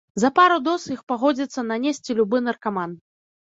За пару доз іх пагодзіцца нанесці любы наркаман.